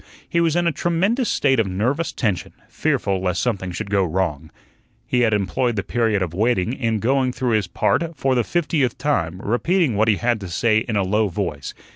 He was in a tremendous state of nervous tension, fearful lest something should go wrong. He had employed the period of waiting in going through his part for the fiftieth time, repeating what he had to say in a low voice.